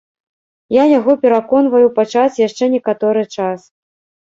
Я яго пераконваю пачакаць яшчэ некаторы час.